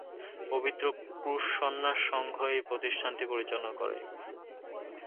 পবিত্র ক্রুশ সন্ন্যাস সংঘ এই প্রতিষ্ঠানটি পরিচালনা করে।